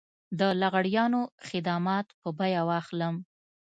د لغړیانو خدمات په بيه واخلم.